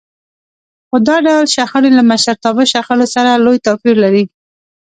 خو دا ډول شخړې له مشرتابه شخړو سره لوی توپير لري.